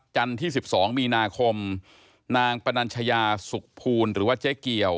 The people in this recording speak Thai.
ที่๑๒มีนาคมนางปนัญชยาสุขภูลหรือว่าเจ๊เกี่ยว